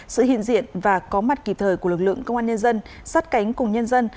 sự hiện diện và có mặt kịp thời của lực lượng công an nhân dân sát cánh cùng nhân dân